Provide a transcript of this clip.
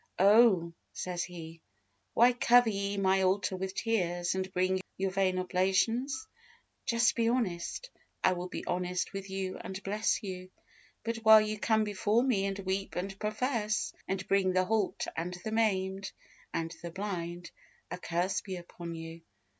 "Oh," says He, "why cover ye my altar with tears, and bring your vain oblations? Just be honest, and I will be honest with you and bless you; but while you come before Me and weep and profess, and bring the halt, and the maimed, and the blind, a curse be upon you."